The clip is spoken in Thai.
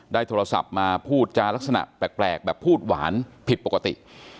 โทรศัพท์มาพูดจารักษณะแปลกแบบพูดหวานผิดปกติ